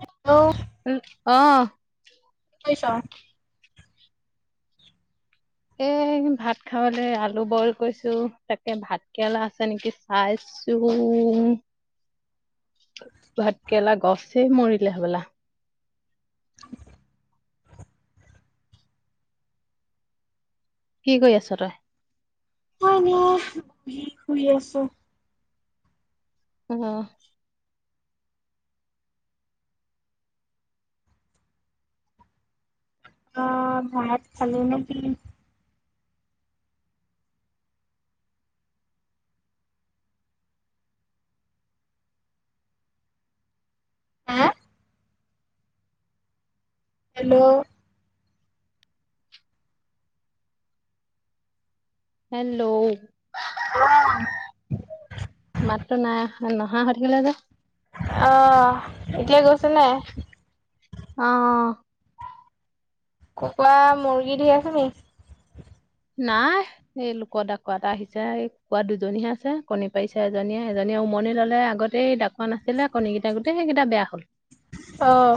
Hello! Hello! অঁ কি কৰিছ? এ ভাত খাবলে আলু বইল কৰিছো তাকে ভাত কেৰেলা আছে নেকি চাই ছোঁ, ভাত কেৰেলা গছে মৰিলে হ'বলা। কি কৰি আছ তই? হয় না কি কৰি আছ? উম। অঁ ভাত খালি নে কি? হা হেল্ল'! হেল্ল'! অঁহ। মাতটো নাই নহা হৈ থাকিলে যে। অঁ এতিয়া গৈছে নাই? অঁ। কুকুৰা মুৰ্গী ধেৰ আছে নি? নাই। এই লোকৰ ডাকোৱা এটা আহিছে এই কুকুৰা দুজনীহে আছে কণী পাৰিছে এজনীয়ে এজনীয়ে উমনি ললে আগত সেই ডাকোৱা নাছিলে কণীকেইটা গোটেই কেইটা বেয়া হ'ল। অহ।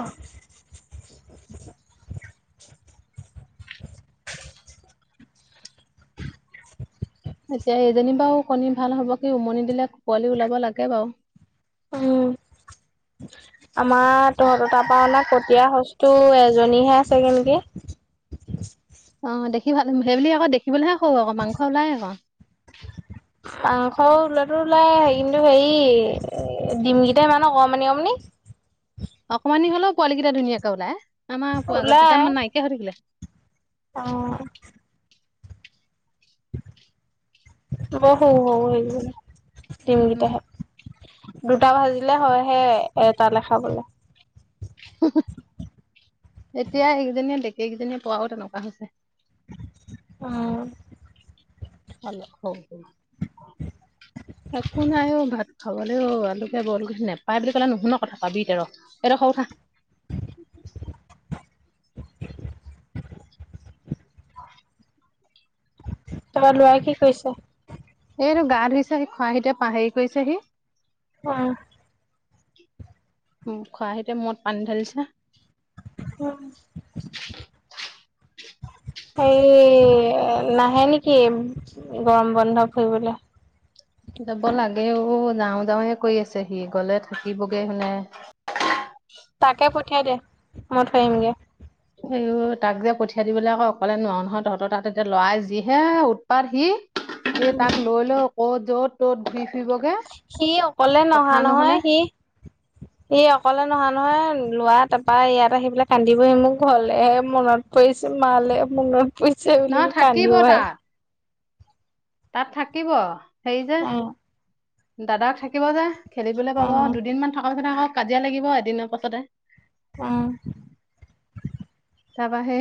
[inaudible] এতিয়া এইজনী বাৰু কণী ভাল হ'ব কি উমনি দিলে পোৱালি ওলাব লাগে বাৰু। উম [inaudible] আমাৰ তহঁতৰ তাৰপৰা অনা কটীয়া সছটো এজনীহে আছেগে নেকি। অঁ দেখি ভাল সেইবুলি আক' দেখিবলৈহে সৰু আক' মাংস ওলাই আক'। মাংস ওলোৱাটো ওলাই কিন্তু হেৰি ডিমকেইটা ইমান অকমানি অকমানি। অকমানি হলেও পোৱালি কেইটা ধুনীয়াকে ওলাই আমাৰ আগৰ কিতা মানে নাইকিয়ে হৈ থাকিলে। অঁ। বৰ সৰু সৰু সেইকেইজনীৰ দিম গিটা উম, হেত দুটা ভাজিলে হয়হে এটালে খাবলে। এতিয়া এইকেইজনীয়ে ডেকেই কেইজনীয়ে পৰাও তেনেকুৱা হৈছে। উম। একো নাই অ ভাত খাবলে ঔ আলুকে বইল কৰিছো, নাপায় বুলি ক'লে নুশুন কথা পাবি এতিয়া ৰ' এইডোখৰ উঠা। তাৰপৰা লৰাই কি কৰিছে? এইটো গা ধুইছে সি খৰাহিটোৱে হেৰি কৰিছেহি। উম। উম, খৰাহিতোৱে মূৰত পানী ঢালিছে। উম [inaudible] হেৰি নাহে নেকি গৰম বন্ধ ফুৰিবলৈ? যাব লাগে ও যাওঁ যাওঁ হে কৰি আছে সি গলে থাকিবগৈ হুনে তাকে পঠিয়াই দে, মই থৈ আহিমগে। আইওঃ তাক যে পঠিয়াই দিবলৈ আকৌ অকলে নোৱাৰো নহয় তহঁতৰ তাত এতিয়া লৰাই যিহে উৎপাত সি এই তাক লৈ লৈ ক'ত যত ত'ত ধুই ফুৰিবগে সি অকলে কথা নুশুনে। [inaudible] ই অকলে নহয় নহয় লৰা তাৰপৰা ইয়াত আহি পেলাই কান্দিবহি মোক ঘৰলে মনত পৰিছে, মালে মনত পৰিছে বুলি নহয় থাকিব কান্দো হা। তাত তাত থাকিব, হেৰি যে দাদাক থাকিব যে, খেলিবলৈ পাব দুদিনমান থকাৰ পিছত আকৌ কাজিয়া লাগিব এদিনৰ পাছতে। উম। তাৰপৰা হে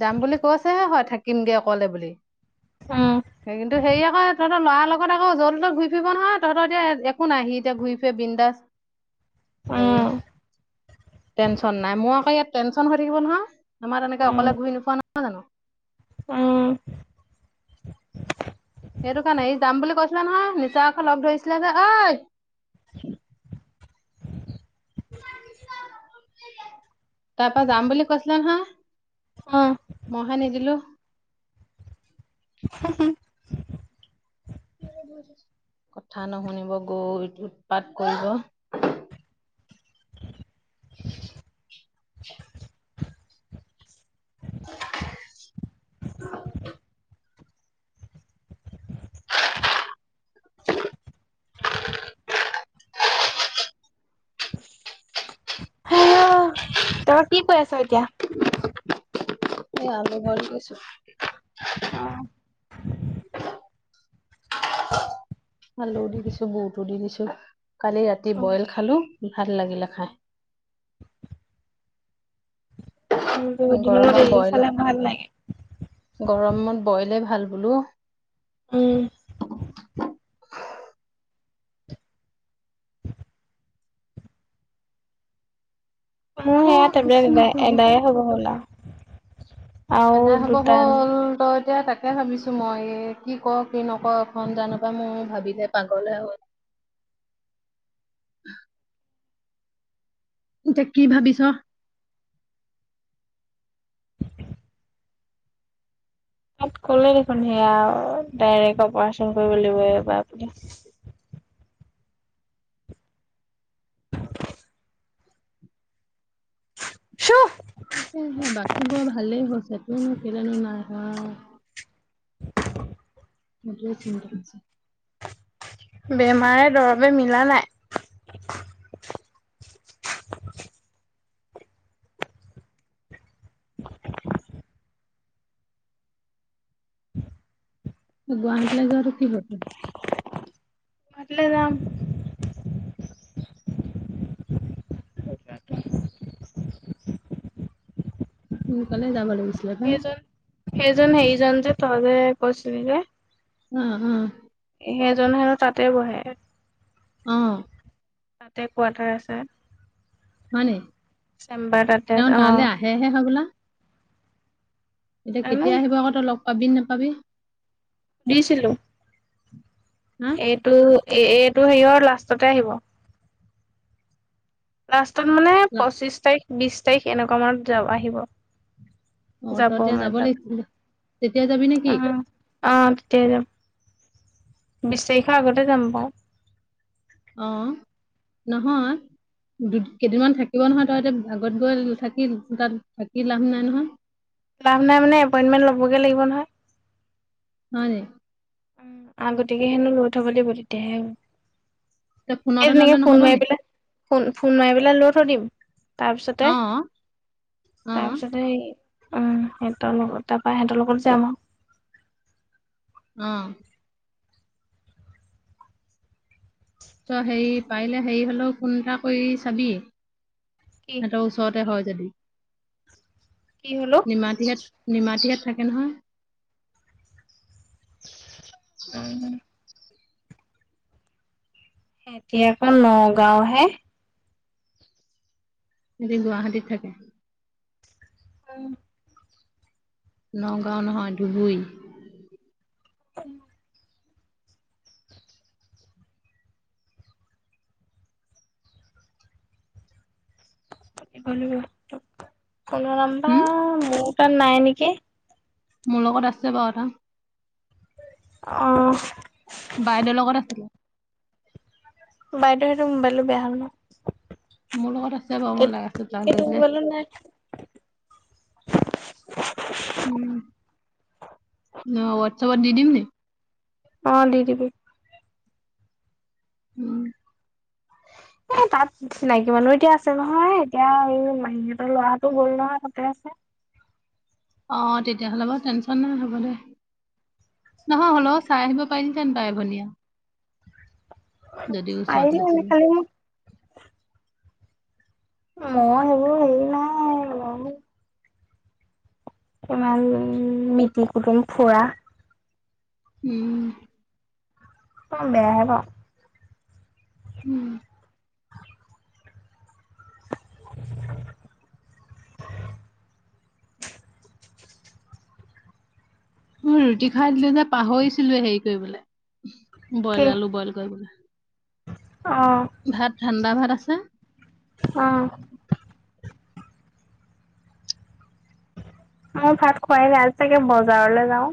যাম বুলি কৈছেহে হয় থাকিমগে অকলে বুলি। উম সেই কিন্তু হে আকৌ তহতৰ লৰাৰ লগত আকৌ জলটো তত ঘূৰি ফৰি নহয়, তহঁতৰ এতিয়া একো নাই এতিয়া সি ঘূৰি ফুৰে বিন্দাছ। [inaudible] এই টেনশ্যন নাই, মোৰ আকৌ ইয়াত টেনশ্যন হৈ থাকিব নহয়। আমাৰ তেনেকে অকলে ঘূৰি নুফুৱা নহয় জানো। উম সেইটো কাৰণে, ই যাম বুলি কৈছিলে নহয়, নিচাঅক লগ ধৰিছিলে যে, ঐ [unintelligible] তাৰপা যাম বুলি কৈছিলা নহয়। অঁ মইহে নিদিলোঁ। [unintelligible] কথা নুশুনিব গল, উৎপাত কৰিব। [inaudible] [inaudible] হেও' তই কি কৈ আছ এতিয়া? এ আলু বইল কৰিছোঁ। অঁ [inaudible] আলু দি দিছো, বঔতো দি দিছো। কালি ৰাতি উম, বইল খালো, ভাল লাগিলে উম। খায়। অঁ, বহু দিনৰ গৰমত মূৰত এদিন বইলে চালে ভাল লাগে। গৰমত বইলে ভাল বোলো। উম। মোৰ অ সেয়া টেবলেট কৃষ্ণ এদায় প্ৰভু এদায়ে হ'ব হ'ল আও। আৰু এদায় হব দুটা হ'ল, ত এতিয়া তাক তাকে ভাবিছো মই কি কঅ কি নকঅ, এখন জানো পাই, মই ভাবিলে পাগল হে এতিয়া কি ভাবিছ? তাত ক'লে দেখোন, সেয়া ডাইৰেক্ট অপাৰচন কৰিব লাগিব এইবাৰ আপুনি। সুহ তাকে, বাকীবোৰ ভালেই হৈছে, তোৰনো কেলেনো নাই আহা। সেইটোৱে থিক আছে। বেমাৰে দৰৱে মিলা নাই। গুৱাহাটীলৈ যোৱাটো কি হল? গুৱাহাটীলে যাম। [unintelligible] সোনকালে যাব লাগিব। সেইজন সেইজন সেইজন যে তই যে কৈছিলি যে। অঁ অঁ সেইজন হেনো তাতে বহে অ তাতে কোৱাৰ্টাৰ আছে হয় নি? চেম্বাৰ তাতে আছে অ সেয়হে হবলা এতিয়া জানো কেতিয়া আহিব আকৌ তই লগ পাবি নেপাবি দিছিলো উ এইটো এ এইটো সেৰিয়ৰ লাষ্টতে আহিব লাষ্টত মানে লা- পঁচিশ তাৰিখ বিশ তাৰিখ এনেকুৱা মানত যা আহিব অ ত এতিয়া মানে যাব তাত লাগিছিলে তেতিয়া যাবি নেকি উম অ তেতিয়াই যাম বিশ তাৰিখৰ আগতে যাম বাউ অ নহয় দু কেইদিনমান থাকিব নহয় তই এতিয়া আগত গৈ থাকি তাত থাকি লাভ নাই নহয় লাভ নাই মানে এপইনমেণ্ট ল'বগে লাগিব নহয় হয় নি আগতীয়াকে হেনো লৈ থব লাগিব তেতিয়াহে হব তই এই ফোনতে তেনেকে ল'লে ফোন নহ'ব মাৰি নি? পেলাই ফোন ফোন মাৰি পেলাই লৈ থৈ দিম তাৰপিছতে অ, অ, তাৰপিছতে এই উম হেতৰ লগত তাৰপা হেতৰ লগত যাম আউ উম ত হেৰি পাৰিলে হেৰি হলেও ফোন এটা কৰি চাবি কি হেত চতে হয় যদি কি হল অউ নিমাতীহেত নিমাতীহেট থাকে নহয় অ এতিয়া আকৌ নগাঁও হে এটি গুৱাহাটীত থাকে অ নগাঁও নহয় ধুবুই [unintelligible] কল নাম্বা হুম? মোৰ তাত নাই নেকি মোৰ লগত আছে বাউ এটা অহ বাইদেউৰ লগত আছিলে বাইদেউ হেত মোবাইলটো বেয়া হ'ল ন মোৰ লগত আছে বাউ মই লাই আছো তা গেজলে নে উম অ ৱাটছপত দি দিম নি অ দি দিবি উম এ তাত চিনাকি মানুহ এতিয়া আছে নহয় এতিয়া হেই ল'ৰাটো গ'ল নহয় তাতে আছে অ তেতিয়াহ'লে বাউ টেনচন নাই হ'ব দে নহয় হলেও চাই আহিব পাৰিলি হেতেন বাই ভনিয়ে ওচৰতে পাৰিলো আছিলে খালি মু মউ সেইবোৰ হেই ইমান মিতি কুটুম ফুৰা উম। [unintelligible] উম [unintelligible] মই ৰুটি খাই দিলো যে পাহৰিছিলোৱে হেৰি কৰিবলৈ কি বইল আলু বইল কৰিবলৈ। অ। ভাত ঠাণ্ডা ভাত আছে। অ মই ভাত খোৱাই [unintelligible] চাগে বজাৰলৈ যাওঁ।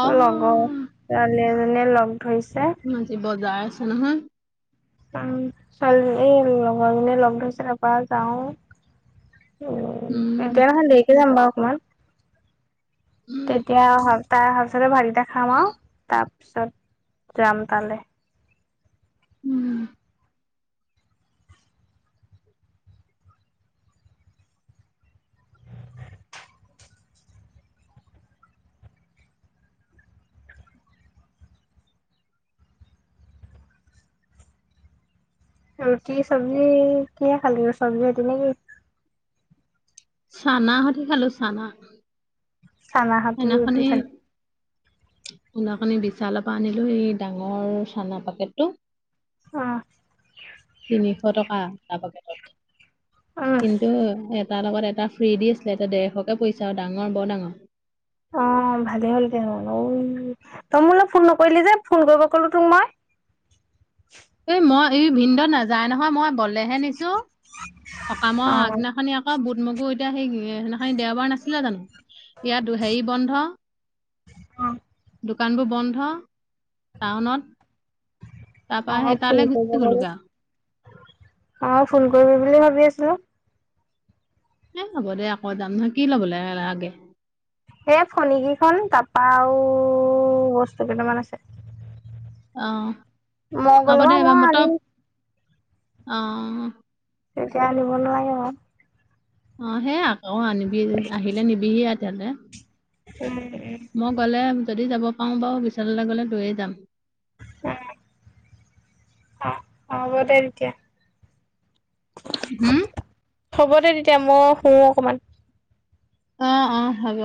অ লগৰ ছোৱালী এজনীয়ে লগ ধৰিছে। আজি বজাৰ আছে নহয়। উম ছোৱালীজনী এই লগৰজনীয়ে লগ ধৰিছে তাৰপৰা যাওঁ উম, এতিয়াখন দেৰিকে যাম বাৰু অকমান। উম, তেতিয়া অহা তাই আহা পিছতে ভাত কেইটা খাম আৰু তাৰপিছত যাম তালৈ। উম। ৰুটি চৱজি কিহে খালি? চৱজি ৰুটিয়ে নেকি? চানা হতি খালো চানা। চানা সতি ৰুটি সেইদিনাখনি খালি খনি বিশালৰ পৰা আনিলো এই ডাঙৰ চানা পেকেটটো। উম, তিনিশ টকা এটা পেকেটত। উম, কিন্তু এটাৰ লগত এটা ফ্ৰী দি আছিলে, তাতে ডেৰশকে পৰিছে আৰু ডাঙৰ বৰ ডাঙৰ। অ ভালে হ'ল দে। তই মূলৈ ফোন নকৰিলি যে ফোন কৰিব কলো তোক মই। এই মই এই ভিনদত নাযায় নহয় মই বলেহে নিছো। সকামৰ অ', আগদিনাখনি অ বুট মগু এতিয়া সেই সেইদিনাখন দেওবাৰ নাছিলে জানো। ইয়াত হেৰি বন্ধ অ দোকানবোৰ বন্ধ টাউনত। তাৰপা সেই আক তালৈ ফোন গুচি কৰিব বুলি, গ'লোগে আৰু আ ফোন কৰিবি বুলি ভাবি আছিলো। এ হ'ব দে আকৌ যাম নহয়, কি [unintelligible] এই ফনী কেইখন তাপা আও বস্তু কেইটামান আছে। অ মই হ'ব গ'লো দে বাৰু এবাৰ মই আনিম তক অ। এতিয়া আনিব নোৱাৰিম আউ। অ সেয়া আকৌ আনিবি আহিলে নিবিহি আ তেন্তে। উম উম। মই গ'লে যদি যাব পাওঁ বাৰু বিশাললৈ গ'লে লৈ যাম। অ হ'ব দে তেতিয়া। হুম? হ'ব দে তেতিয়া মই শু অকমান। অ অ হ'ব।